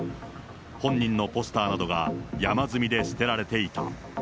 本人のポスターなどが山積みで捨てられていた。